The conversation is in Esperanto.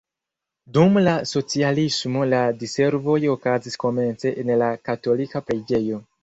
Dum la socialismo la diservoj okazis komence en la katolika preĝejo.